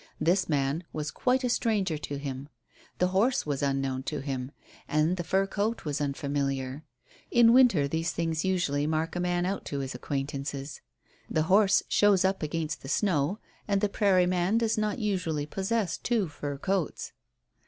This man was quite a stranger to him. The horse was unknown to him, and the fur coat was unfamiliar. In winter these things usually mark a man out to his acquaintances. The horse shows up against the snow, and the prairie man does not usually possess two fur coats.